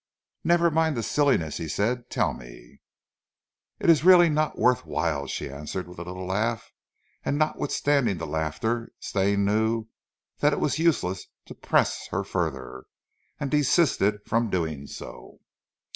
"Never mind the silliness," he said. "Tell me?" "It really is not worth while," she answered with a little laugh, and notwithstanding the laughter, Stane knew that it was useless to press her further, and desisted from doing so.